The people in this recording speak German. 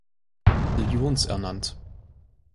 Bataillons ernannt.